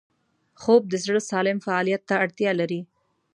خوب د زړه سالم فعالیت ته اړتیا لري